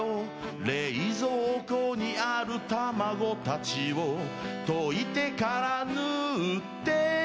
冷蔵庫にある卵たちを溶いてから塗って